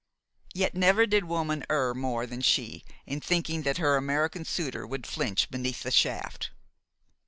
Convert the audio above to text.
Yet never did woman err more than she in thinking that her American suitor would flinch beneath the shaft.